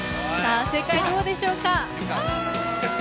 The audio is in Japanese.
正解、どうでしょうか。